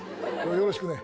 よろしくね。